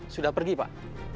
sudah pergi pak